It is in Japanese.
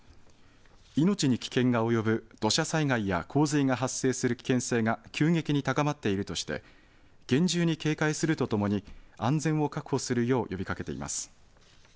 命に危険が及ぶ土砂災害や洪水が発生する危険性が急激に高まっているとして、厳重に警戒するとともに安全を確保するよう呼びかけています。